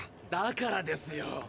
だからですよ。